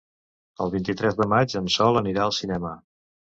El vint-i-tres de maig en Sol anirà al cinema.